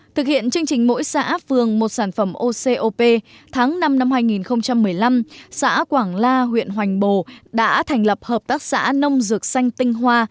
thực hiện chương trình mỗi xã phường một sản phẩm ocop tháng năm năm hai nghìn một mươi năm xã quảng la huyện hoành bồ đã thành lập hợp tác xã nông dược xanh tinh hoa